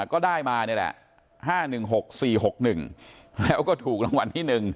ก็ได้มาเนี่ยแหละห้าหนึ่งหกสี่หกหนึ่งแล้วก็ถูกรางวัลที่หนึ่ง